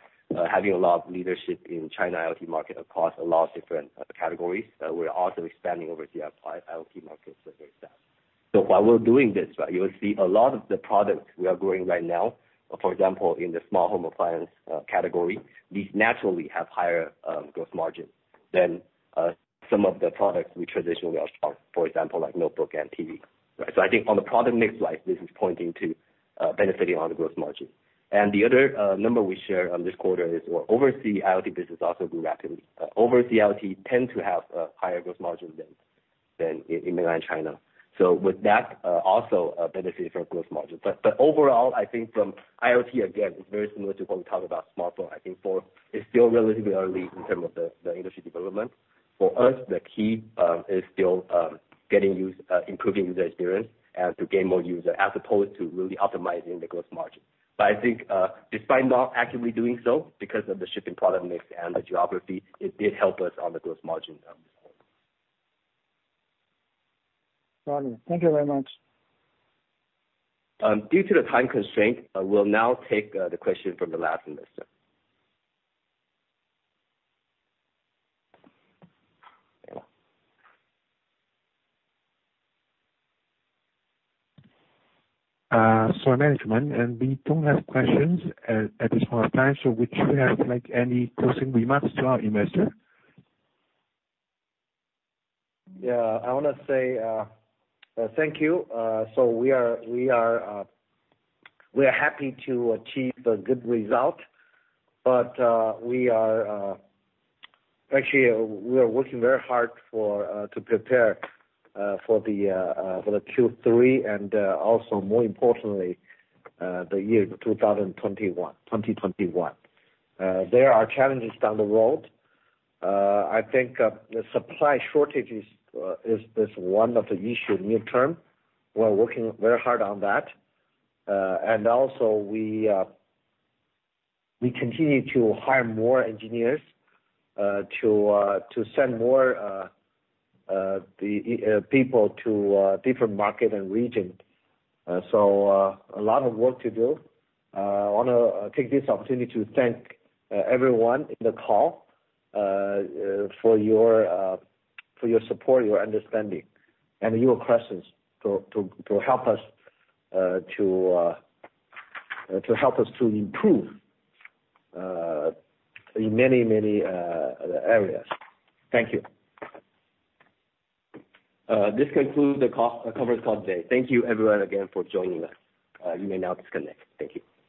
having a lot of leadership in China IoT market across a lot of different categories. We're also expanding over the applied IoT markets with great staff. While we're doing this, right, you will see a lot of the products we are growing right now, for example, in the small home appliance category, these naturally have higher gross margins than some of the products we traditionally have, for example, like notebook and TV, right. I think on the product mix slide, this is pointing to benefiting on the gross margin. The other number we share on this quarter is our oversea AIoT business also grew rapidly. Oversea AIoT tends to have a higher gross margin than in mainland China. With that, also benefited from gross margin. Overall, I think from AIoT, again, it's very similar to when we talk about smartphone. I think it's still relatively early in terms of the industry development. For us, the key is still improving the experience and to gain more users, as opposed to really optimizing the gross margin. I think, despite not actively doing so, because of the shipping product mix and the geography, it did help us on the gross margin on this one. Got it. Thank you very much. Due to the time constraint, we'll now take the question from the last investor. Management, and we don't have questions at this point of time, so would you have like any closing remarks to our investors? I want to say thank you. We are happy to achieve a good result. Actually, we are working very hard to prepare for the Q3 and also more importantly, the year 2021. There are challenges down the road. I think the supply shortage is one of the issue near-term. We're working very hard on that. Also, we continue to hire more engineers to send more people to different market and region. A lot of work to do. I want to take this opportunity to thank everyone in the call for your support, your understanding, and your questions to help us to improve in many areas. Thank you. This concludes the conference call today. Thank you everyone again for joining us. You may now disconnect. Thank you.